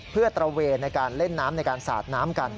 เพื่อตระเวนในการเล่นน้ำในการสาดน้ำกัน